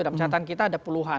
dalam catatan kita ada puluhan